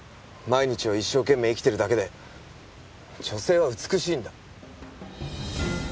毎日を一生懸命生きてるだけで女性は美しいんだ。